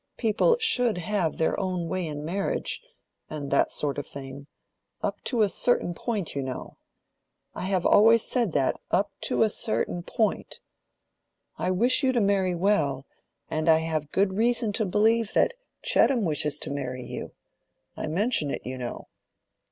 People should have their own way in marriage, and that sort of thing—up to a certain point, you know. I have always said that, up to a certain point. I wish you to marry well; and I have good reason to believe that Chettam wishes to marry you. I mention it, you know."